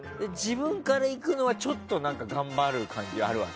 自分からいくのはちょっと頑張る感じがあるわけ？